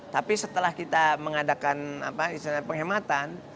tapi setelah kita mengadakan penghematan